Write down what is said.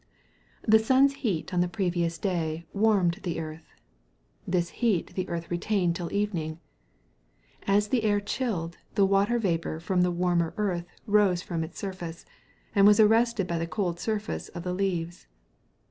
The sun's heat on the previous day warmed the earth. This heat the earth retained till evening. As the air chilled, the water vapour from the warmer earth rose from its surface, and was arrested by the cold surface of the leaves.